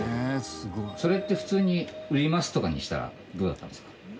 それって普通に「売ります」とかにしたらどうだったんですか？